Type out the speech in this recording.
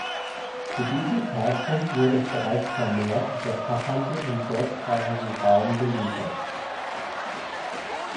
Zu diesem Zeitpunkt wurde bereits vermehrt der Fachhandel im deutschsprachigen Raum beliefert.